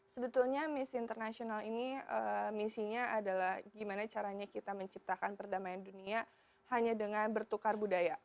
sebetulnya miss international ini misinya adalah gimana caranya kita menciptakan perdamaian dunia hanya dengan bertukar budaya